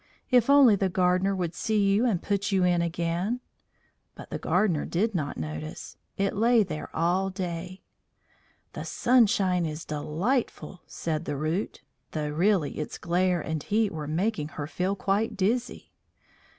"If only the gardener would see you and put you in again!" But the gardener did not notice; it lay there all day. "The sunshine is delightful," said the Root, though really its glare and heat were making her feel quite dizzy.